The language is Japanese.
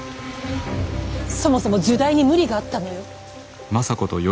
そもそも入内に無理があったのよ。